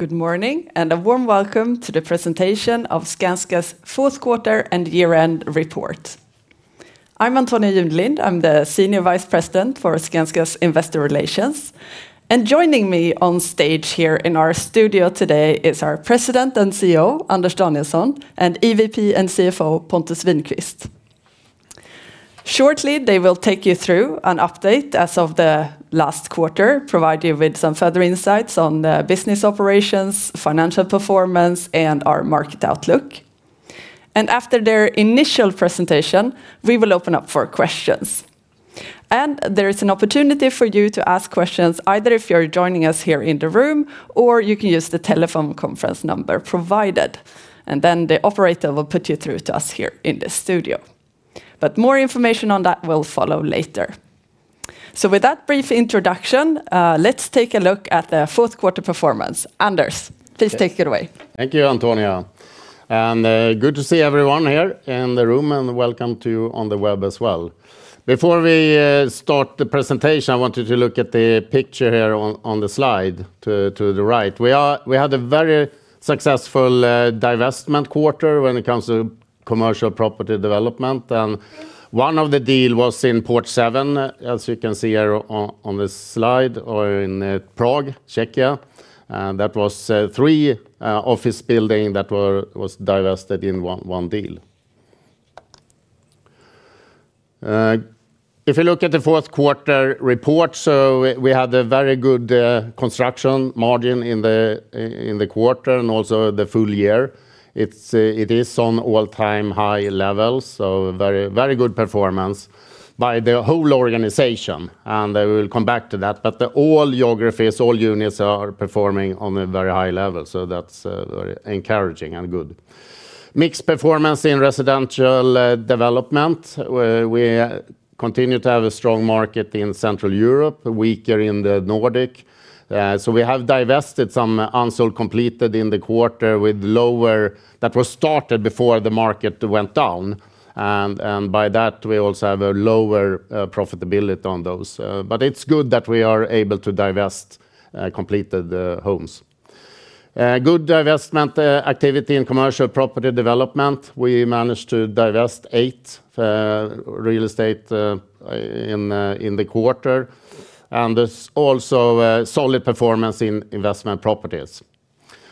Good morning and a warm welcome to the presentation of Skanska's fourth quarter and year-end report. I'm Antonia Junelind, I'm the Senior Vice President for Skanska's Investor Relations, and joining me on stage here in our studio today is our President and CEO Anders Danielsson and EVP and CFO Pontus Winqvist. Shortly they will take you through an update as of the last quarter, provide you with some further insights on business operations, financial performance, and our market outlook. After their initial presentation we will open up for questions. There is an opportunity for you to ask questions either if you're joining us here in the room or you can use the telephone conference number provided, and then the operator will put you through to us here in the studio. More information on that will follow later. With that brief introduction, let's take a look at the fourth quarter performance. Anders, please take it away. Thank you, Antonia. Good to see everyone here in the room and welcome to you on the web as well. Before we start the presentation, I want you to look at the picture here on the slide to the right. We had a very successful divestment quarter when it comes to commercial property development, and one of the deals was in Port7, as you can see here on the slide, or in Prague, Czechia. That was three office buildings that were divested in one deal. If you look at the fourth quarter report, so we had a very good construction margin in the quarter and also the full year. It is on all-time high levels, so very good performance by the whole organization, and I will come back to that. The whole geographies, all units are performing on a very high level, so that's encouraging and good. Mixed performance in residential development. We continue to have a strong market in Central Europe, weaker in the Nordics. So we have divested some unsold completed in the quarter with lower that were started before the market went down. And by that we also have a lower profitability on those. But it's good that we are able to divest completed homes. Good divestment activity in commercial property development. We managed to divest eight real estate in the quarter. And there's also solid performance in investment properties.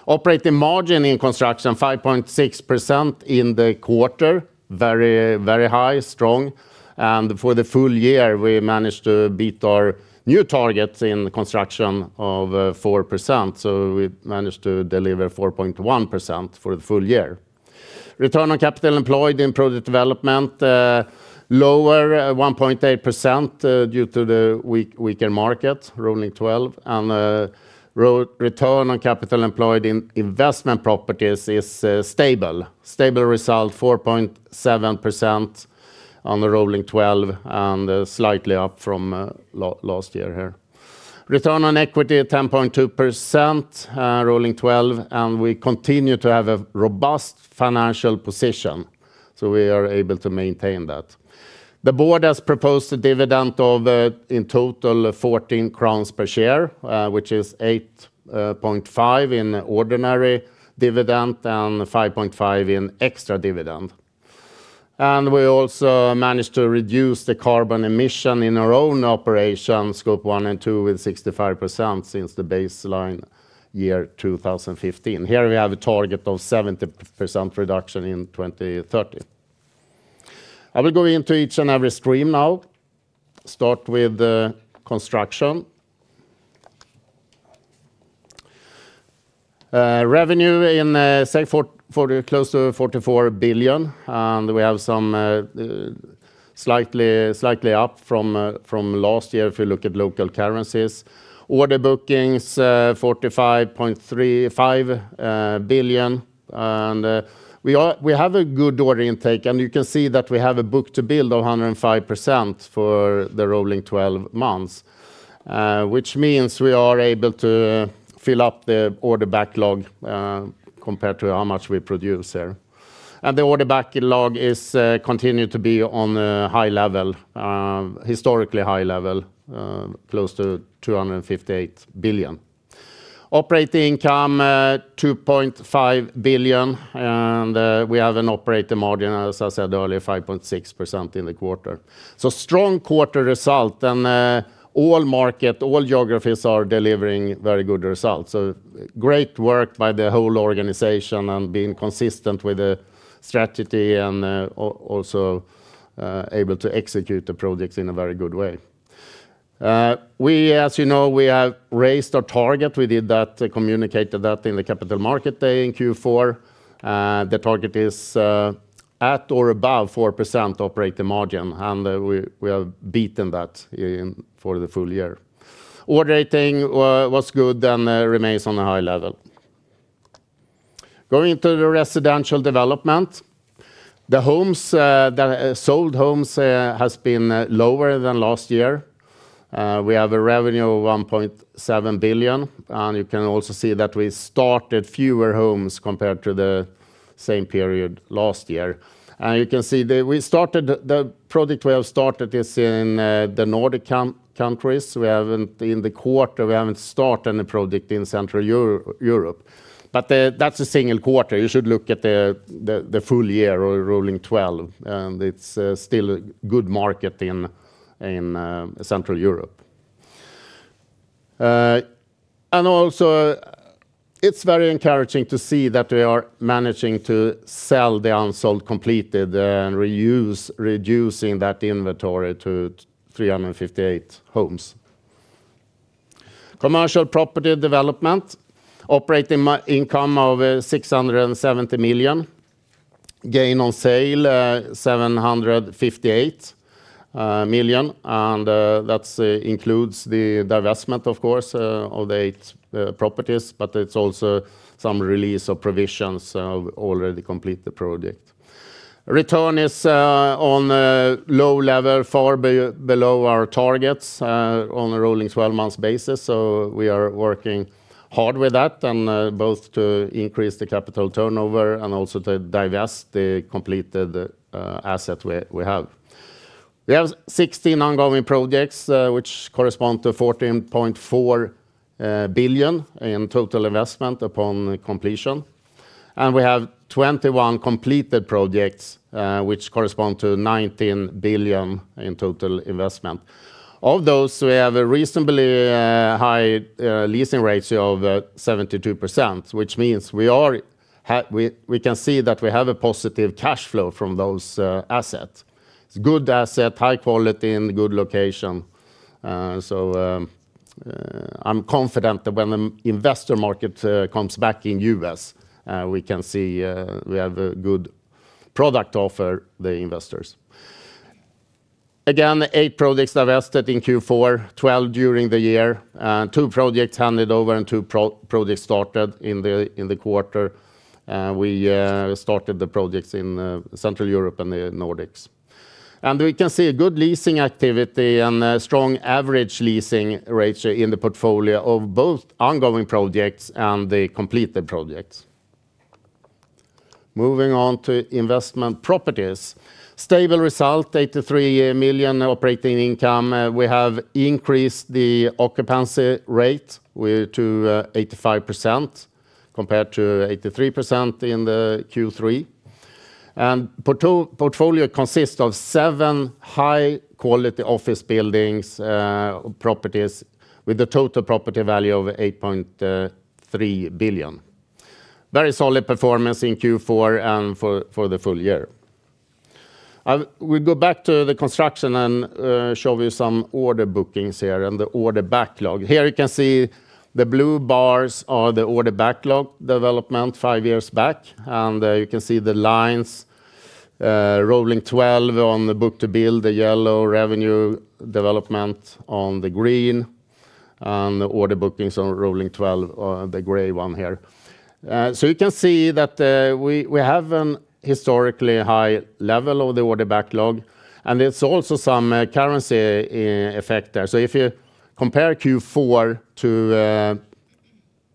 Operating margin in construction 5.6% in the quarter, very high, strong. And for the full year we managed to beat our new targets in construction of 4%, so we managed to deliver 4.1% for the full year. Return on capital employed in project development, lower 1.8% due to the weaker market, rolling 12. And return on capital employed in investment properties is stable. Stable result 4.7% on the rolling 12 and slightly up from last year here. Return on equity 10.2%, rolling 12, and we continue to have a robust financial position, so we are able to maintain that. The board has proposed a dividend of in total 14 crowns per share, which is 8.5 in ordinary dividend and 5.5 in extra dividend. And we also managed to reduce the carbon emission in our own operation, Scope 1 and 2, with 65% since the baseline year 2015. Here we have a target of 70% reduction in 2030. I will go into each and every stream now. Start with construction. Revenue in, say, close to 44 billion, and we have some slightly up from last year if you look at local currencies. Order bookings 45.5 billion, and we have a good order intake, and you can see that we have a book-to-build of 105% for the rolling 12 months, which means we are able to fill up the order backlog compared to how much we produce here. And the order backlog continues to be on a high level, historically high level, close to 258 billion. Operating income 2.5 billion, and we have an operating margin, as I said earlier, 5.6% in the quarter. So strong quarter result, and all markets, all geographies are delivering very good results. So great work by the whole organization and being consistent with the strategy and also able to execute the projects in a very good way. As you know, we have raised our target. We did that, communicated that in the Capital Market Day in Q4. The target is at or above 4% operating margin, and we have beaten that for the full year. Order rating was good and remains on a high level. Going into the residential development, the sold homes have been lower than last year. We have a revenue of 1.7 billion, and you can also see that we started fewer homes compared to the same period last year. And you can see we started the project we have started is in the Nordic countries. In the quarter, we haven't started any project in Central Europe. But that's a single quarter. You should look at the full year or rolling 12, and it's still a good market in Central Europe. And also, it's very encouraging to see that we are managing to sell the unsold completed and reducing that inventory to 358 homes. Commercial property development, operating income of 670 million. Gain on sale 758 million, and that includes the divestment, of course, of the eight properties, but it's also some release of provisions of already completed project. Return is on low level, far below our targets on a rolling 12 months basis, so we are working hard with that, both to increase the capital turnover and also to divest the completed assets we have. We have 16 ongoing projects, which correspond to 14.4 billion in total investment upon completion. We have 21 completed projects, which correspond to 19 billion in total investment. Of those, we have a reasonably high leasing ratio of 72%, which means we can see that we have a positive cash flow from those assets. It's good asset, high quality, in good location. So I'm confident that when the investor market comes back in the U.S., we can see we have a good product offer to the investors. Again, eight projects divested in Q4, 12 during the year, two projects handed over and two projects started in the quarter. We started the projects in Central Europe and the Nordics. And we can see good leasing activity and strong average leasing rates in the portfolio of both ongoing projects and the completed projects. Moving on to investment properties. Stable result, 83 million operating income. We have increased the occupancy rate to 85% compared to 83% in Q3. And the portfolio consists of seven high-quality office buildings and properties with a total property value of 8.3 billion. Very solid performance in Q4 and for the full year. We go back to the construction and show you some order bookings here and the order backlog. Here you can see the blue bars are the order backlog development five years back, and you can see the lines, rolling 12 on the book-to-build, the yellow revenue development on the green, and the order bookings on rolling 12, the gray one here. So you can see that we have a historically high level of the order backlog, and there's also some currency effect there. So if you compare Q4 to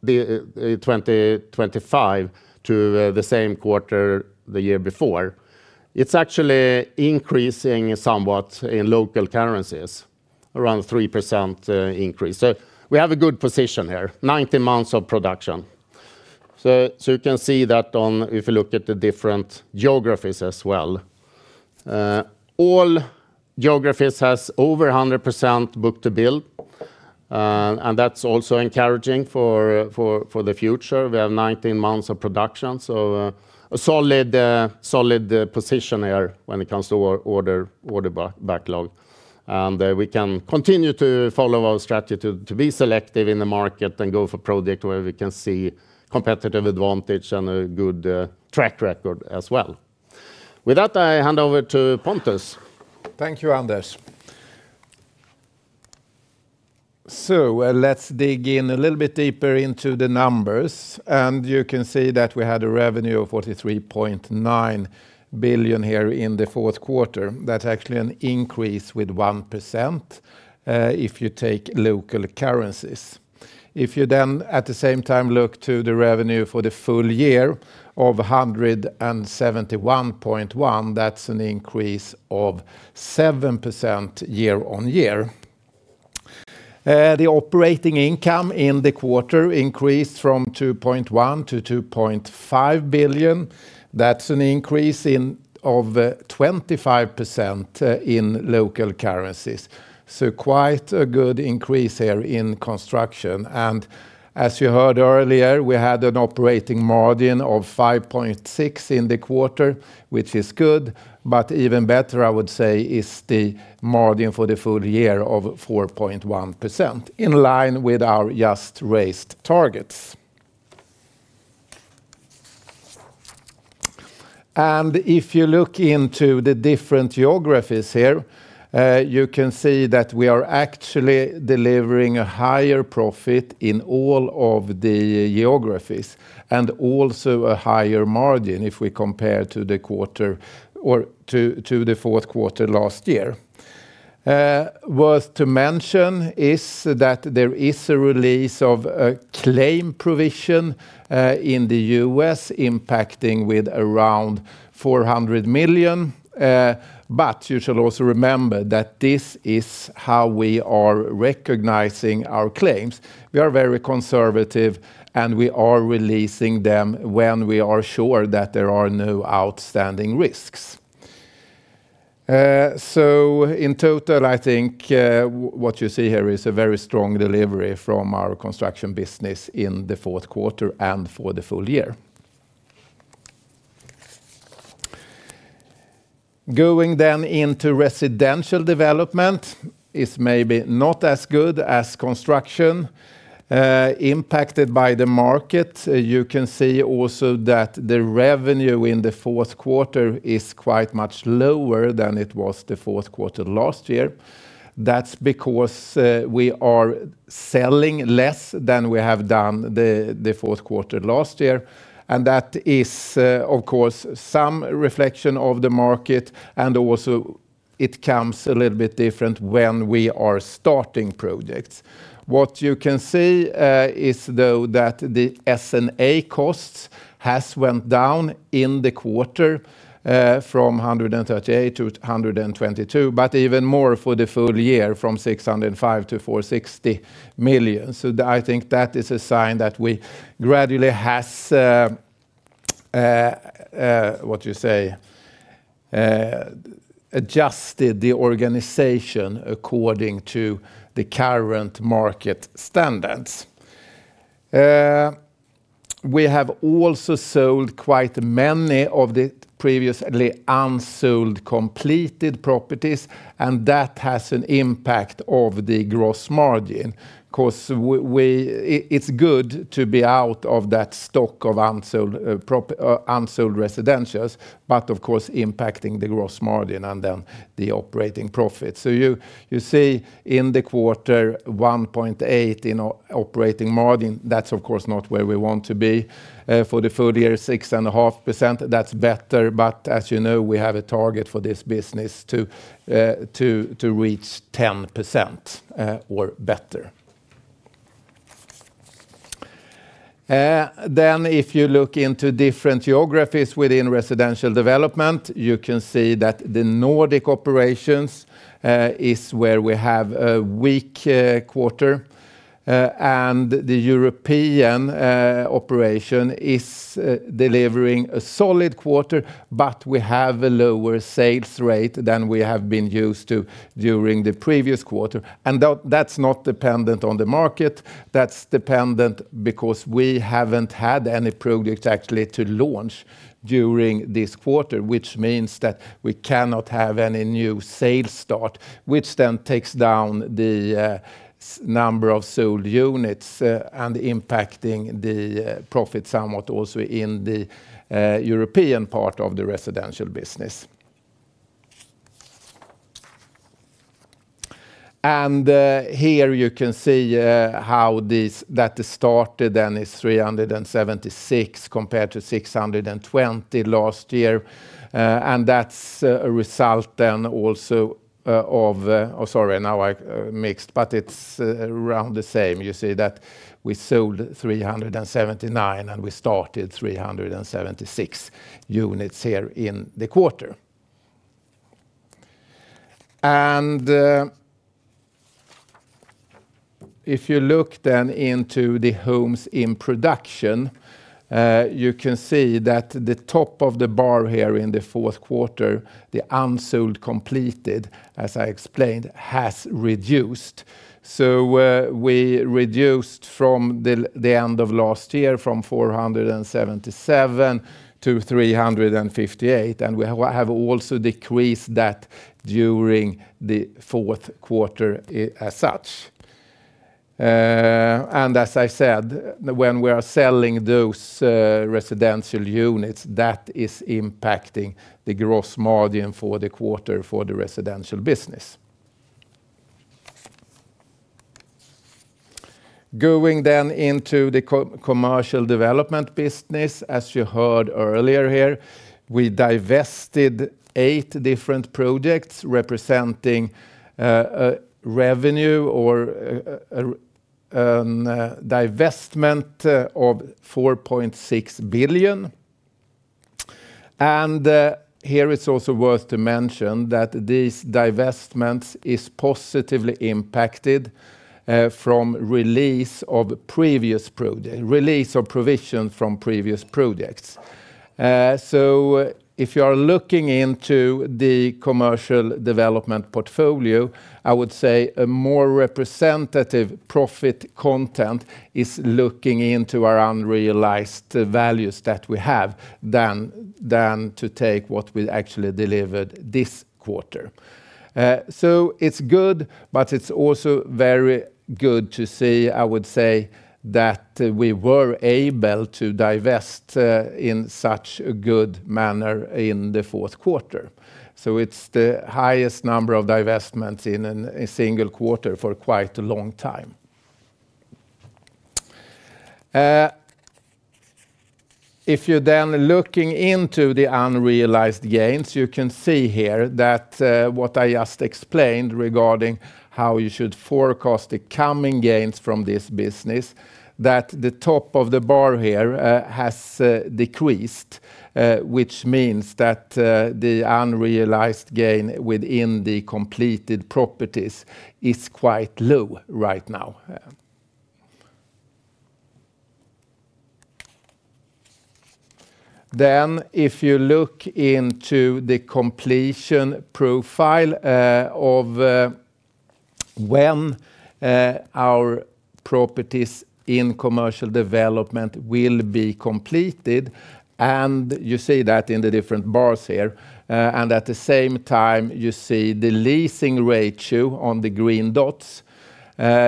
2025 to the same quarter the year before, it's actually increasing somewhat in local currencies, around 3% increase. So we have a good position here, 90 months of production. So you can see that if you look at the different geographies as well. All geographies have over 100% book-to-build, and that's also encouraging for the future. We have 19 months of production, so a solid position here when it comes to order backlog. We can continue to follow our strategy to be selective in the market and go for projects where we can see competitive advantage and a good track record as well. With that, I hand over to Pontus. Thank you, Anders. So let's dig in a little bit deeper into the numbers, and you can see that we had a revenue of 43.9 billion here in the fourth quarter. That's actually an increase with 1% if you take local currencies. If you then at the same time look to the revenue for the full year of 171.1 billion, that's an increase of 7% year-on-year. The operating income in the quarter increased from 2.1 billion to 2.5 billion. That's an increase of 25% in local currencies. So quite a good increase here in construction. And as you heard earlier, we had an operating margin of 5.6% in the quarter, which is good, but even better, I would say, is the margin for the full year of 4.1%, in line with our just raised targets. And if you look into the different geographies here, you can see that we are actually delivering a higher profit in all of the geographies and also a higher margin if we compare to the quarter or to the fourth quarter last year. Worth to mention is that there is a release of a claim provision in the U.S. impacting with around 400 million. But you should also remember that this is how we are recognizing our claims. We are very conservative, and we are releasing them when we are sure that there are no outstanding risks. So in total, I think what you see here is a very strong delivery from our construction business in the fourth quarter and for the full year. Going then into residential development is maybe not as good as construction. Impacted by the market, you can see also that the revenue in the fourth quarter is quite much lower than it was the fourth quarter last year. That's because we are selling less than we have done the fourth quarter last year, and that is, of course, some reflection of the market, and also it comes a little bit different when we are starting projects. What you can see is, though, that the S&A costs have gone down in the quarter from 138 million to 122 million, but even more for the full year, from 605 million to 460 million. So I think that is a sign that we gradually have, what do you say, adjusted the organization according to the current market standards. We have also sold quite many of the previously unsold completed properties, and that has an impact on the gross margin because it's good to be out of that stock of unsold residentials, but of course impacting the gross margin and then the operating profit. So you see in the quarter 1.8% operating margin. That's, of course, not where we want to be. For the full year, 6.5%, that's better, but as you know, we have a target for this business to reach 10% or better. Then if you look into different geographies within residential development, you can see that the Nordic operations is where we have a weak quarter, and the European operation is delivering a solid quarter, but we have a lower sales rate than we have been used to during the previous quarter. And that's not dependent on the market. That's dependent because we haven't had any projects actually to launch during this quarter, which means that we cannot have any new sales start, which then takes down the number of sold units and impacting the profit somewhat also in the European part of the residential business. Here you can see how that started then is 376 compared to 620 last year, and that's a result then also of, oh, sorry, now I mixed, but it's around the same. You see that we sold 379 and we started 376 units here in the quarter. If you look then into the homes in production, you can see that the top of the bar here in the fourth quarter, the unsold completed, as I explained, has reduced. We reduced from the end of last year from 477 to 358, and we have also decreased that during the fourth quarter as such. As I said, when we are selling those residential units, that is impacting the gross margin for the quarter for the residential business. Going into the commercial development business, as you heard earlier here, we divested eight different projects representing revenue or a divestment of 4.6 billion. Here it's also worth to mention that these divestments are positively impacted from release of previous projects, release of provisions from previous projects. If you are looking into the commercial development portfolio, I would say a more representative profit content is looking into our unrealized values that we have than to take what we actually delivered this quarter. So it's good, but it's also very good to see, I would say, that we were able to divest in such a good manner in the fourth quarter. So it's the highest number of divestments in a single quarter for quite a long time. If you're then looking into the unrealized gains, you can see here that what I just explained regarding how you should forecast the coming gains from this business, that the top of the bar here has decreased, which means that the unrealized gain within the completed properties is quite low right now. Then if you look into the completion profile of when our properties in commercial development will be completed, and you see that in the different bars here, and at the same time you see the leasing ratio on the green dots,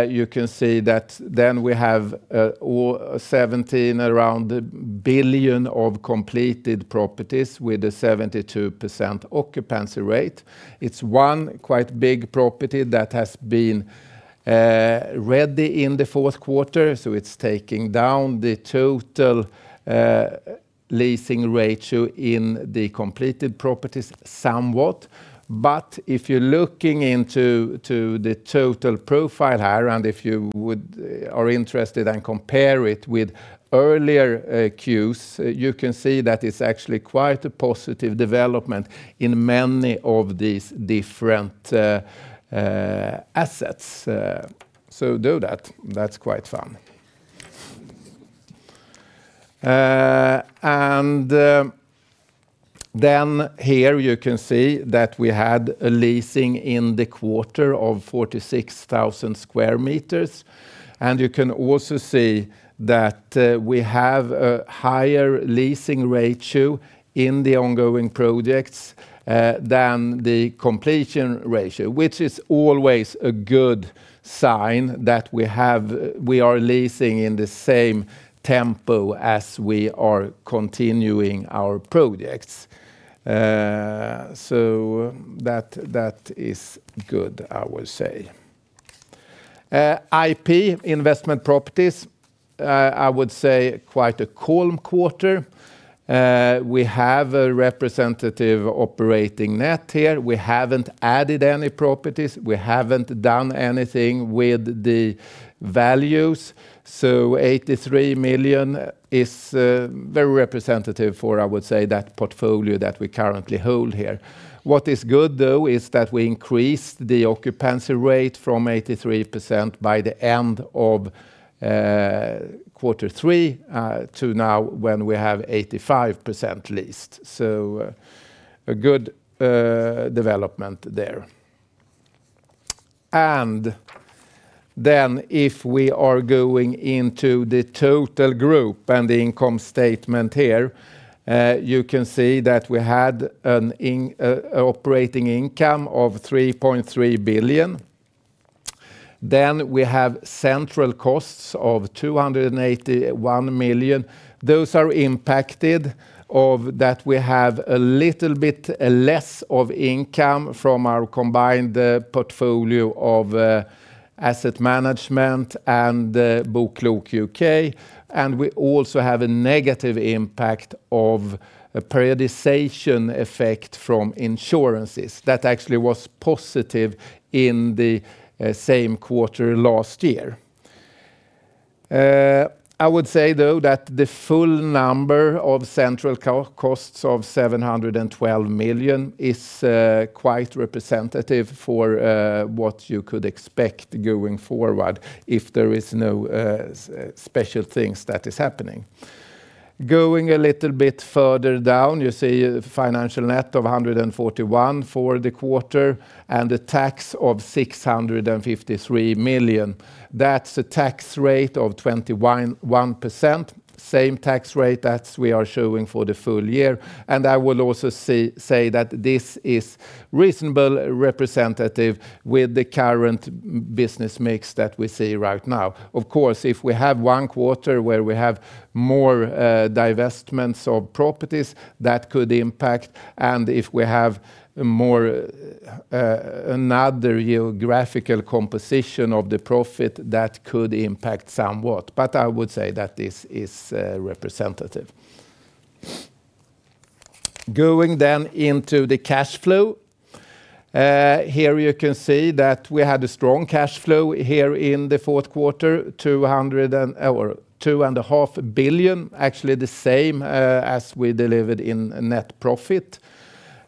you can see that then we have around 17 billion of completed properties with a 72% occupancy rate. It's one quite big property that has been ready in the fourth quarter, so it's taking down the total leasing ratio in the completed properties somewhat, but if you're looking into the total profile here and if you are interested and compare it with earlier quarters, you can see that it's actually quite a positive development in many of these different assets. So do that. That's quite fun. And then here you can see that we had a leasing in the quarter of 46,000 sq m, and you can also see that we have a higher leasing ratio in the ongoing projects than the completion ratio, which is always a good sign that we are leasing in the same tempo as we are continuing our projects. So that is good, I would say. IP, investment properties, I would say quite a calm quarter. We have a representative operating net here. We haven't added any properties. We haven't done anything with the values. So 83 million is very representative for, I would say, that portfolio that we currently hold here. What is good, though, is that we increased the occupancy rate from 83% by the end of quarter three to now when we have 85% leased. So a good development there. And then if we are going into the total group and the income statement here, you can see that we had an operating income of 3.3 billion. Then we have central costs of 281 million. Those are impacted by the fact that we have a little bit less income from our combined portfolio of asset management and BoKlok UK, and we also have a negative impact of a periodization effect from insurances. That actually was positive in the same quarter last year. I would say, though, that the full number of central costs of 712 million is quite representative for what you could expect going forward if there are no special things that are happening. Going a little bit further down, you see a financial net of 141 million for the quarter and a tax of 653 million. That's a tax rate of 21%, same tax rate as we are showing for the full year, and I will also say that this is reasonably representative with the current business mix that we see right now. Of course, if we have one quarter where we have more divestments of properties, that could impact, and if we have another geographical composition of the profit, that could impact somewhat, but I would say that this is representative. Going then into the cash flow. Here you can see that we had a strong cash flow here in the fourth quarter, 2.0 billion or 2.5 billion, actually the same as we delivered in net profit.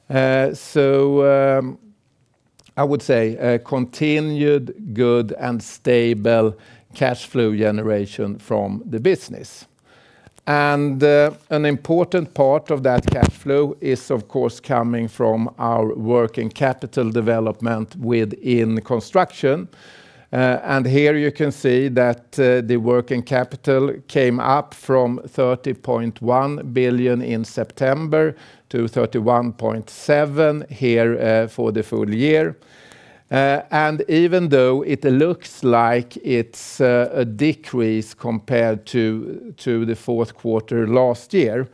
So I would say continued, good, and stable cash flow generation from the business. And an important part of that cash flow is, of course, coming from our working capital development within construction. Here you can see that the working capital came up from 30.1 billion in September to 31.7 billion here for the full year. Even though it looks like it's a decrease compared to the fourth quarter last year,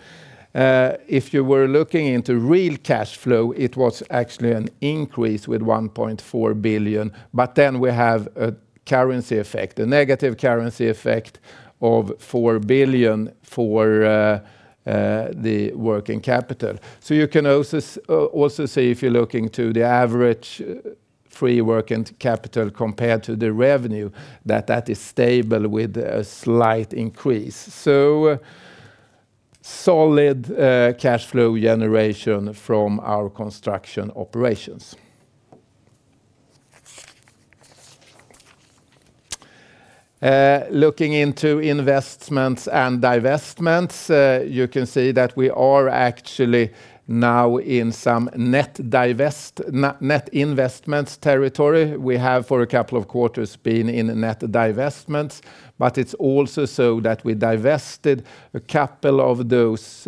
if you were looking into real cash flow, it was actually an increase with 1.4 billion, but then we have a currency effect, a negative currency effect of 4 billion for the working capital. You can also see if you're looking to the average free working capital compared to the revenue, that that is stable with a slight increase. Solid cash flow generation from our construction operations. Looking into investments and divestments, you can see that we are actually now in some net investments territory. We have, for a couple of quarters, been in net divestments, but it's also so that we divested a couple of those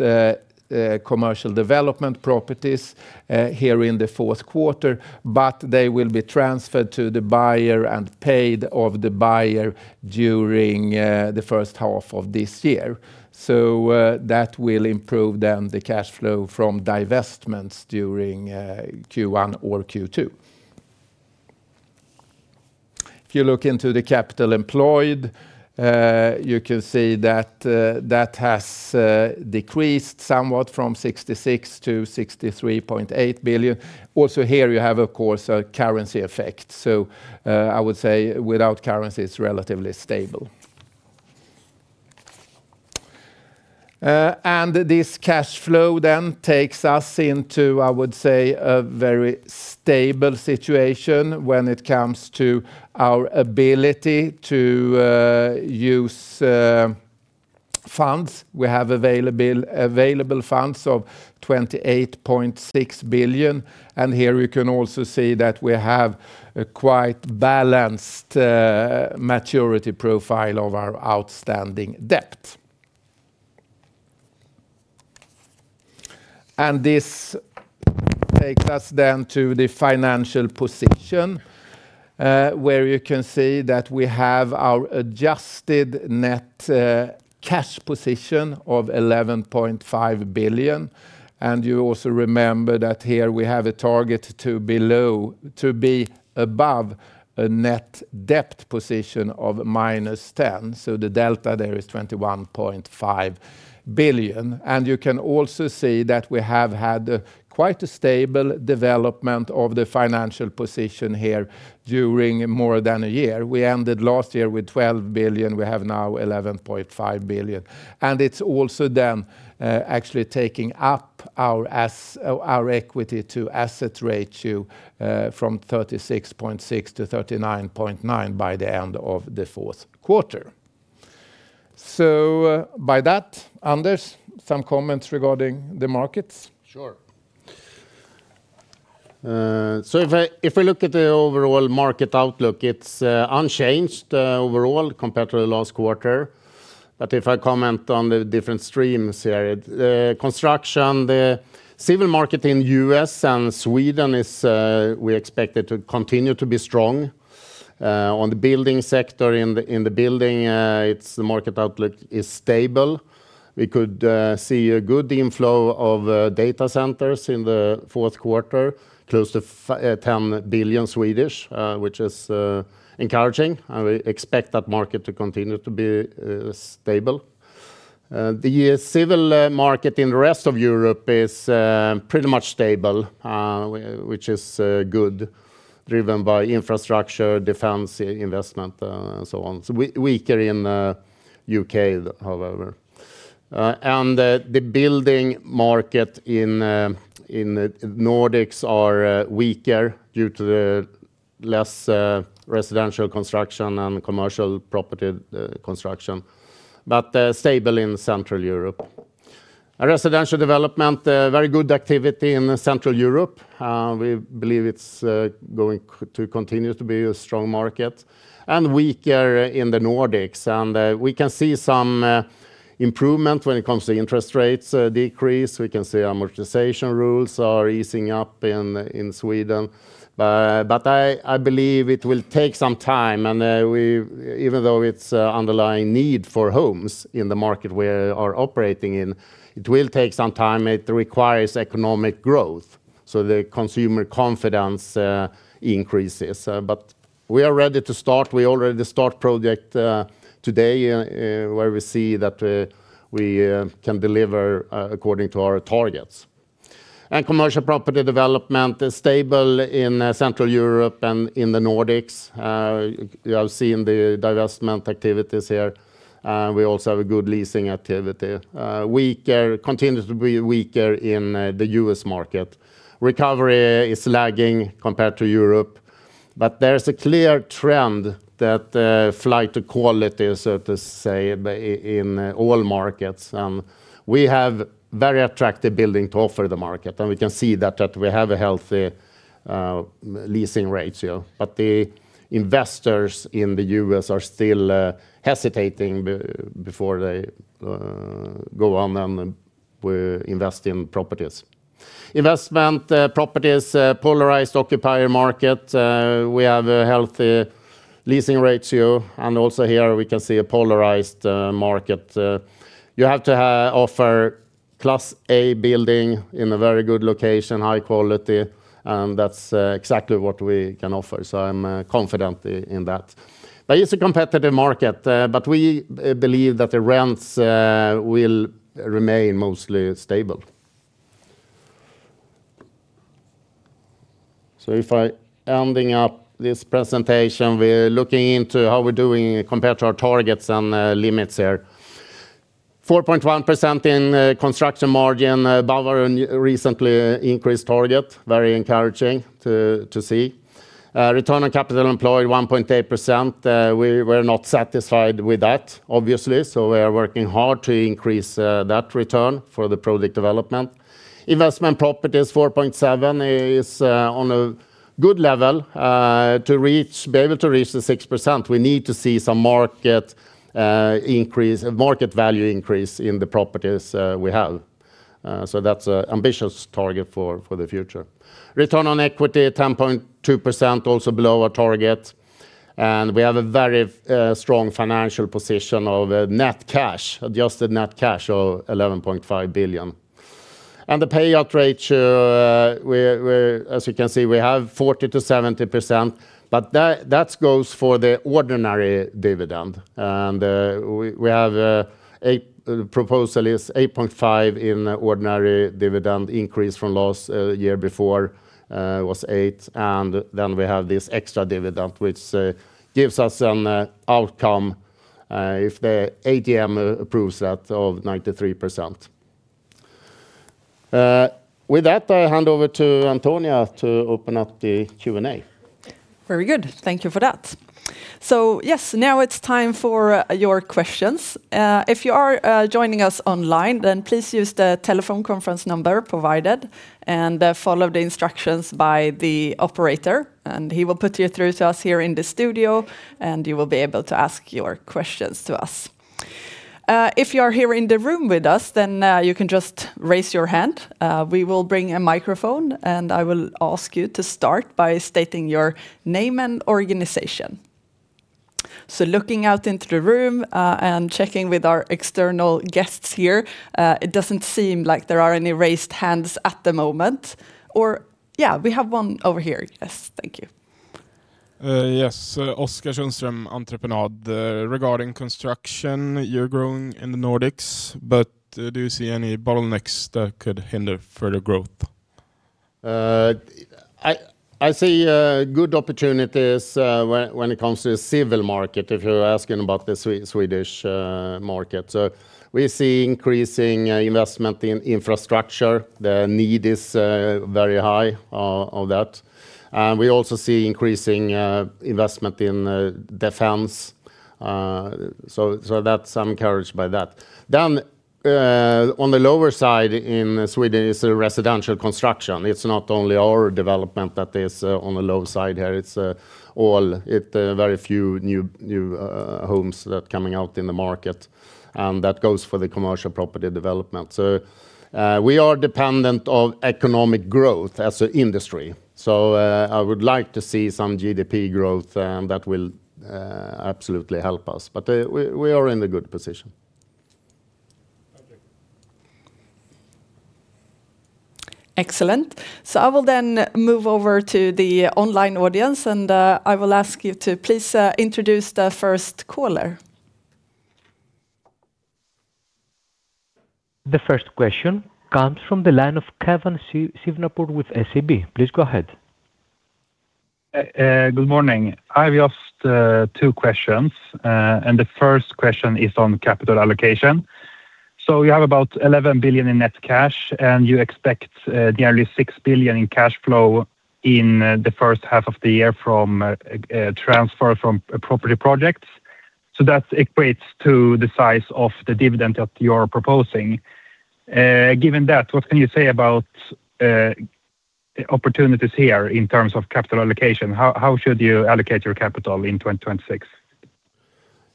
commercial development properties here in the fourth quarter, but they will be transferred to the buyer and paid by the buyer during the first half of this year. So that will improve then the cash flow from divestments during Q1 or Q2. If you look into the capital employed, you can see that that has decreased somewhat from 66 billion to 63.8 billion. Also here you have, of course, a currency effect. So I would say without currency, it's relatively stable. And this cash flow then takes us into, I would say, a very stable situation when it comes to our ability to, use, funds. We have available funds of 28.6 billion, and here you can also see that we have a quite balanced maturity profile of our outstanding debt. This takes us then to the financial position, where you can see that we have our adjusted net cash position of 11.5 billion, and you also remember that here we have a target to be above a net debt position of -10 billion, so the delta there is 21.5 billion. You can also see that we have had quite a stable development of the financial position here during more than a year. We ended last year with 12 billion. We have now 11.5 billion. It's also then actually taking up our equity to asset ratio from 36.6% to 39.9% by the end of the fourth quarter. So by that, Anders, some comments regarding the markets? Sure. So if we look at the overall market outlook, it's unchanged overall compared to the last quarter. But if I comment on the different streams here, construction, the civil market in the U.S. and Sweden, we expect it to continue to be strong. On the building sector, in the building, the market outlook is stable. We could see a good inflow of data centers in the fourth quarter, close to 10 billion, which is encouraging, and we expect that market to continue to be stable. The civil market in the rest of Europe is pretty much stable, which is good, driven by infrastructure, defense, investment, and so on. Weaker in the U.K., however. And the building market in the Nordics is weaker due to the less residential construction and commercial property construction, but stable in Central Europe. Residential development, very good activity in Central Europe. We believe it's going to continue to be a strong market and weaker in the Nordics. We can see some improvement when it comes to interest rates decrease. We can see amortization rules are easing up in Sweden. I believe it will take some time. Even though it's an underlying need for homes in the market we are operating in, it will take some time. It requires economic growth, so the consumer confidence increases. We are ready to start. We already started the project today where we see that we can deliver according to our targets. Commercial property development is stable in Central Europe and in the Nordics. You have seen the divestment activities here. We also have a good leasing activity. Continues to be weaker in the U.S. market. Recovery is lagging compared to Europe, but there's a clear trend that flight to quality is, so to say, in all markets. We have very attractive building to offer the market, and we can see that we have a healthy leasing ratio. But the investors in the U.S. are still hesitating before they go on and invest in properties. Investment properties, polarized occupier market. We have a healthy leasing ratio, and also here we can see a polarized market. You have to offer class A building in a very good location, high quality, and that's exactly what we can offer. So I'm confident in that. But it's a competitive market, but we believe that the rents will remain mostly stable. So if I'm ending up this presentation, we're looking into how we're doing compared to our targets and limits here. 4.1% in construction margin above our recently increased target, very encouraging to see. Return on capital employed, 1.8%. We're not satisfied with that, obviously, so we are working hard to increase that return for the project development. Investment properties, 4.7% is on a good level to reach, be able to reach the 6%. We need to see some market value increase in the properties we have. So that's an ambitious target for the future. Return on equity, 10.2%, also below our target. And we have a very strong financial position of net cash, adjusted net cash of 11.5 billion. And the payout ratio, as you can see, we have 40%-70%, but that goes for the ordinary dividend. We have a proposal of 8.5% in ordinary dividend increase from last year. Before, it was 8%, and then we have this extra dividend, which gives us an outcome if the AGM approves that of 93%. With that, I hand over to Antonia to open up the Q&A. Very good. Thank you for that. Yes, now it's time for your questions. If you are joining us online, then please use the telephone conference number provided and follow the instructions by the operator and he will put you through to us here in the studio, and you will be able to ask your questions to us. If you are here in the room with us, then you can just raise your hand. We will bring a microphone, and I will ask you to start by stating your name and organization. So looking out into the room and checking with our external guests here, it doesn't seem like there are any raised hands at the moment. Or yeah, we have one over here. Yes, thank you. Yes, Oscar Sundström, entrepreneur. Regarding construction, you're growing in the Nordics, but do you see any bottlenecks that could hinder further growth? I see good opportunities when it comes to the civil market, if you're asking about the Swedish market. So we see increasing investment in infrastructure. The need is very high of that. And we also see increasing investment in defense. So that's encouraged by that. Then, on the lower side in Sweden is residential construction. It's not only our development that is on the low side here. It's all, it's very few new, new, homes that are coming out in the market. And that goes for the commercial property development. So, we are dependent on economic growth as an industry. So, I would like to see some GDP growth, and that will absolutely help us. But we are in a good position. Thank you. Excellent. So I will then move over to the online audience, and I will ask you to please introduce the first caller. The first question comes from the line of Keivan Shirvanpour with SEB. Please go ahead. Good morning. I have just two questions, and the first question is on capital allocation. So you have about 11 billion in net cash, and you expect nearly 6 billion in cash flow in the first half of the year from a transfer from property projects. So that equates to the size of the dividend that you are proposing. Given that, what can you say about opportunities here in terms of capital allocation? How should you allocate your capital in 2026?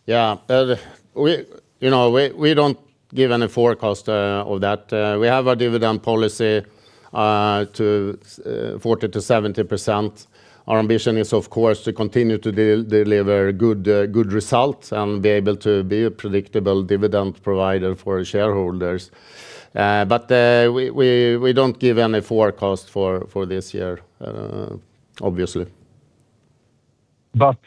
Yeah, we, you know, we don't give any forecasts of that. We have a dividend policy, to 40%-70%. Our ambition is, of course, to continue to deliver good, good results and be able to be a predictable dividend provider for shareholders. But, we don't give any forecasts for, for this year, obviously. But,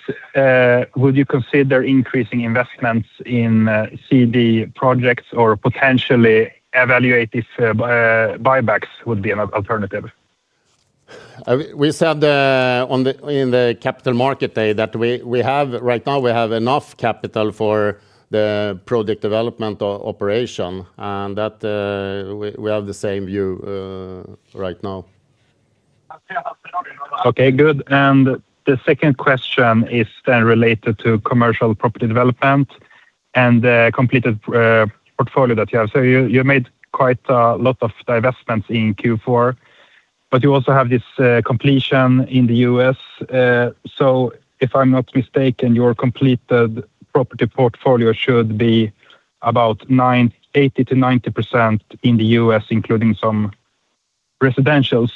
would you consider increasing investments in CD projects or potentially evaluative buybacks would be an alternative? We said on the in the Capital Market Day that we have right now, we have enough capital for the project development operation, and that we have the same view right now. Okay, good. The second question is then related to commercial property development and the completed portfolio that you have. So you made quite a lot of divestments in Q4, but you also have this completion in the U.S. So if I'm not mistaken, your completed property portfolio should be about 80%-90% in the U.S., including some residentials.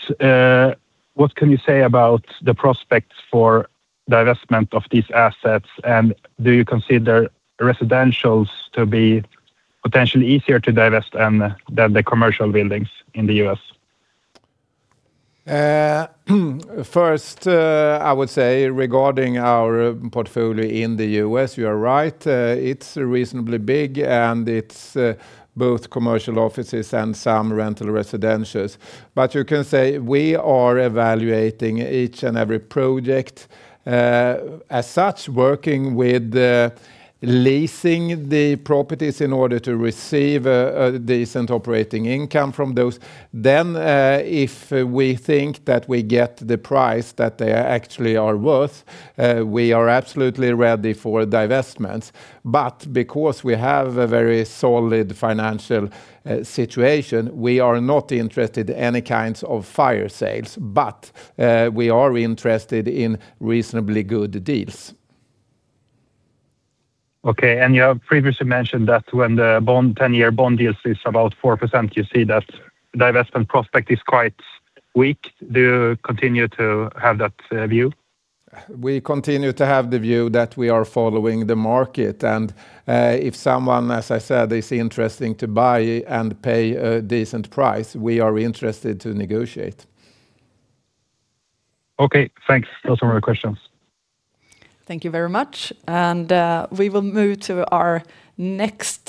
What can you say about the prospects for divestment of these assets, and do you consider residentials to be potentially easier to divest than the commercial buildings in the U.S.? First, I would say regarding our portfolio in the U.S., you are right. It's reasonably big, and it's both commercial offices and some rental residentials. But you can say we are evaluating each and every project, as such, working with, leasing the properties in order to receive a decent operating income from those. Then, if we think that we get the price that they actually are worth, we are absolutely ready for divestments. But because we have a very solid financial situation, we are not interested in any kinds of fire sales, but we are interested in reasonably good deals. Okay. And you have previously mentioned that when the 10-year bond deals are about 4%, you see that divestment prospect is quite weak. Do you continue to have that view? We continue to have the view that we are following the market. And if someone, as I said, is interested in buying and paying a decent price, we are interested in negotiating. Okay. Thanks. No further questions. Thank you very much. And we will move to our next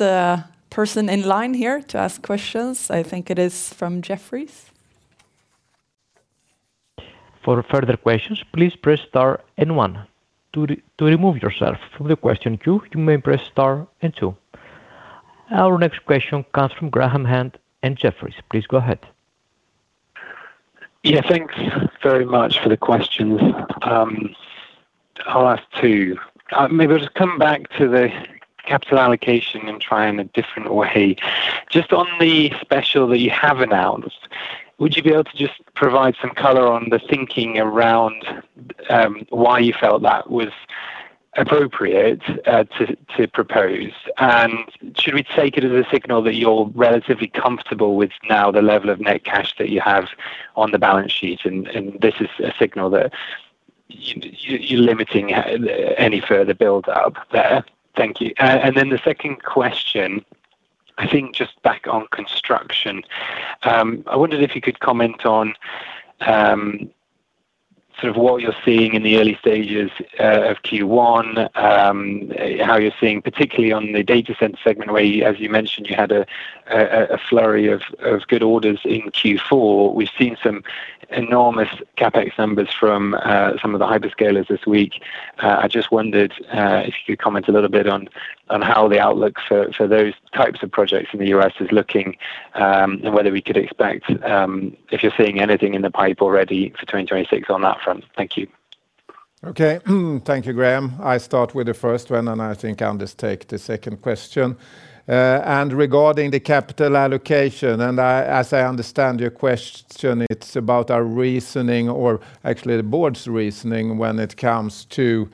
person in line here to ask questions. I think it is from Jefferies. For further questions, please press star and one. To remove yourself from the question queue, you may press star and two. Our next question comes from Graham Hunt at Jefferies. Please go ahead. Yeah, thanks very much for the questions. I'll ask two. Maybe I'll just come back to the capital allocation and try in a different way. Just on the special that you have announced, would you be able to just provide some color on the thinking around why you felt that was appropriate to propose? And should we take it as a signal that you're relatively comfortable with now the level of net cash that you have on the balance sheet, and this is a signal that you're limiting any further buildup there? Thank you. And then the second question, I think just back on construction, I wondered if you could comment on sort of what you're seeing in the early stages of Q1, how you're seeing, particularly on the data center segment, where, as you mentioned, you had a flurry of good orders in Q4. We've seen some enormous CapEx numbers from some of the hyperscalers this week. I just wondered if you could comment a little bit on how the outlook for those types of projects in the U.S. is looking and whether we could expect if you're seeing anything in the pipe already for 2026 on that front. Thank you. Okay. Thank you, Graham. I'll start with the first one, and I think Anders take the second question. Regarding the capital allocation, and as I understand your question, it's about our reasoning or actually the board's reasoning when it comes to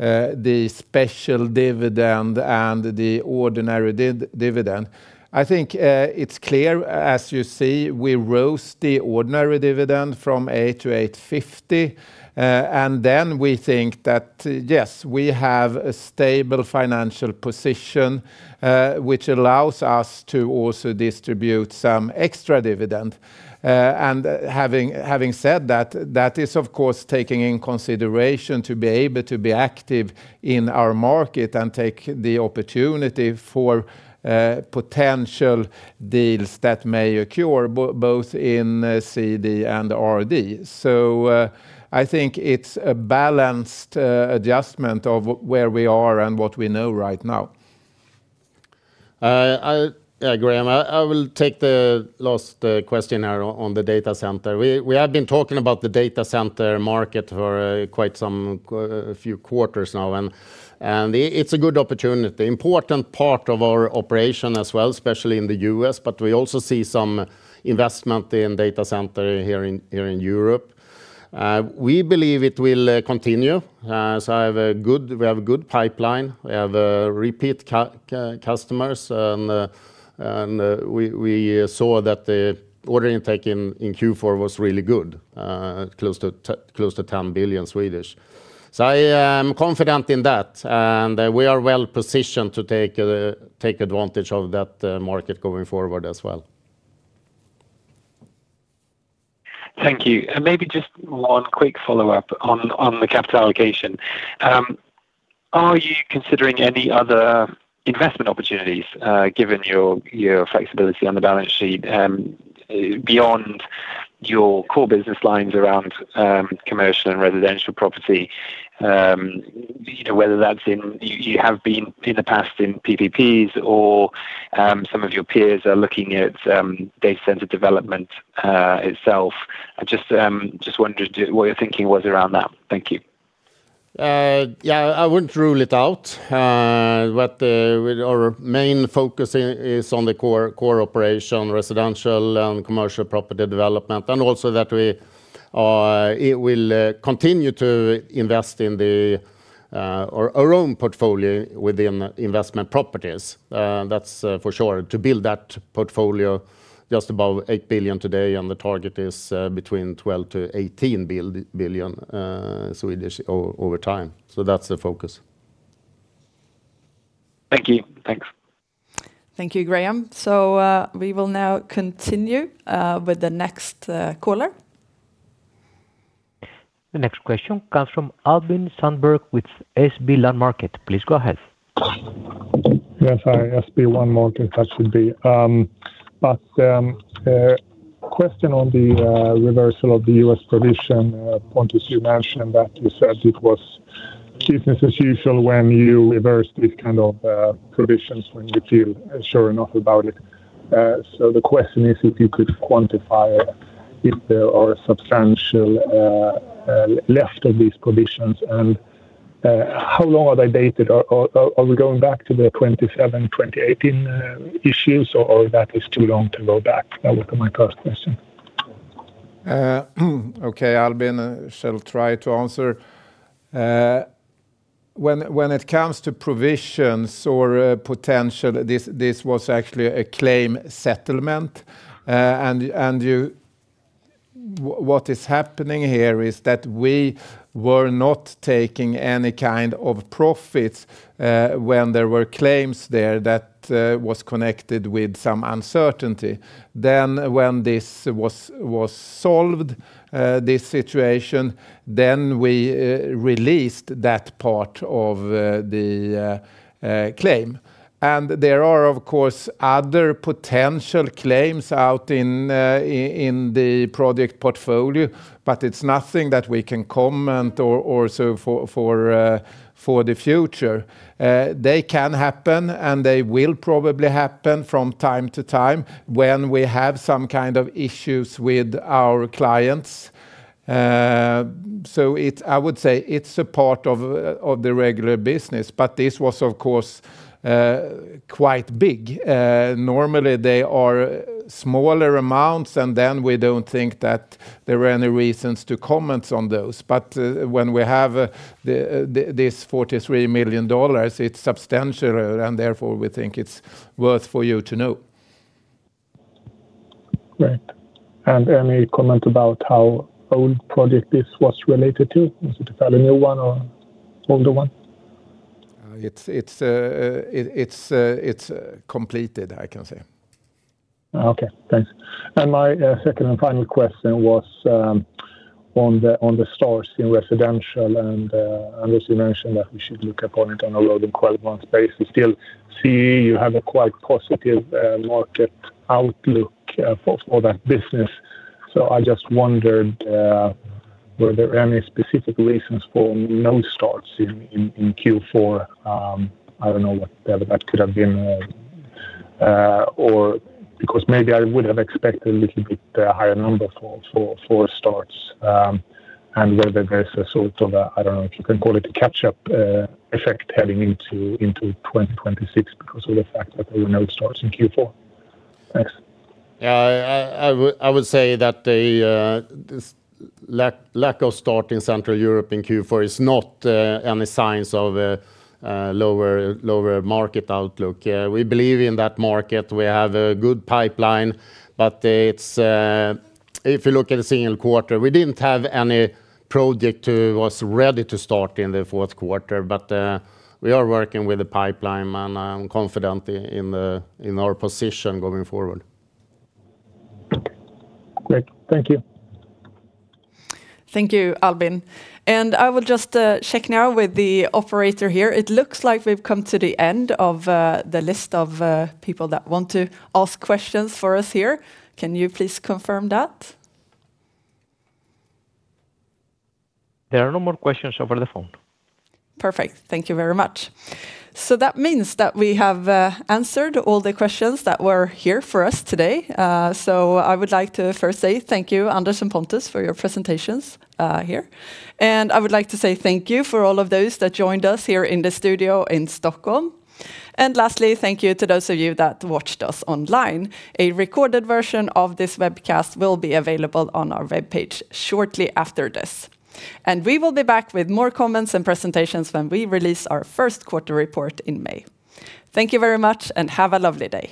the special dividend and the ordinary dividend. I think it's clear, as you see, we raised the ordinary dividend from 8-8.50, and then we think that, yes, we have a stable financial position, which allows us to also distribute some extra dividend. Having said that, that is, of course, taking in consideration to be able to be active in our market and take the opportunity for potential deals that may occur both in CD and RD. So I think it's a balanced adjustment of where we are and what we know right now. Yeah, Graham, I will take the last question here on the data center. We have been talking about the data center market for quite a few quarters now, and it's a good opportunity, important part of our operation as well, especially in the U.S., but we also see some investment in data centers here in Europe. We believe it will continue. So we have a good pipeline. We have repeat customers, and we saw that the order intake in Q4 was really good, close to 10 billion. So I am confident in that, and we are well positioned to take advantage of that market going forward as well. Thank you. Maybe just one quick follow-up on the capital allocation. Are you considering any other investment opportunities given your flexibility on the balance sheet beyond your core business lines around commercial and residential property, whether that's in you have been in the past in PPPs or some of your peers are looking at data center development itself? I just wondered what your thinking was around that. Thank you. Yeah, I wouldn't rule it out, but our main focus is on the core operation, residential and commercial property development, and also that we will continue to invest in our own portfolio within investment properties. That's for sure. To build that portfolio just above 8 billion today, and the target is between 12 billion-18 billion over time. So that's the focus. Thank you. Thanks. Thank you, Graham. So we will now continue with the next caller. The next question comes from Albin Sandberg with SB Land Markets. Please go ahead. Yes, hi. SB1 Markets, that should be. But question on the reversal of the US provision. Pontus, you mentioned that you said it was business as usual when you reversed these kind of provisions when you feel sure enough about it. So the question is if you could quantify if there are substantial left of these provisions, and how long are they dated? Are we going back to the 2017, 2018 issues, or that is too long to go back? That would be my first question. Okay, Albin shall try to answer. When it comes to provisions or potential, this was actually a claim settlement. What is happening here is that we were not taking any kind of profits when there were claims there that were connected with some uncertainty. When this was solved, this situation, then we released that part of the claim. There are, of course, other potential claims out in the project portfolio, but it's nothing that we can comment or so for the future. They can happen, and they will probably happen from time to time when we have some kind of issues with our clients. I would say it's a part of the regular business, but this was, of course, quite big. Normally, they are smaller amounts, and then we don't think that there are any reasons to comment on those. When we have this $43 million, it's substantial, and therefore we think it's worth for you to know. Right. Any comment about how old a project this was related to? Was it a fairly new one or older one? It's completed, I can say. Okay. Thanks. And my second and final question was on the starts in residential, and you mentioned that we should look upon it on a rolling 12-month basis. Still, CEO, you have a quite positive market outlook for that business. So I just wondered were there any specific reasons for no starts in Q4? I don't know what that could have been or because maybe I would have expected a little bit higher number for starts and whether there's a sort of a I don't know if you can call it a catch-up effect heading into 2026 because of the fact that there were no starts in Q4. Thanks. Yeah, I would say that the lack of start in Central Europe in Q4 is not any signs of a lower market outlook. We believe in that market. We have a good pipeline, but if you look at the single quarter, we didn't have any project that was ready to start in the fourth quarter. But we are working with the pipeline, and I'm confident in our position going forward. Great. Thank you. Thank you, Albin. And I will just check now with the operator here. It looks like we've come to the end of the list of people that want to ask questions for us here. Can you please confirm that? There are no more questions over the phone. Perfect. Thank you very much. So that means that we have answered all the questions that were here for us today. I would like to first say thank you, Anders and Pontus, for your presentations here. I would like to say thank you for all of those that joined us here in the studio in Stockholm. Lastly, thank you to those of you that watched us online. A recorded version of this webcast will be available on our webpage shortly after this. We will be back with more comments and presentations when we release our first quarter report in May. Thank you very much, and have a lovely day.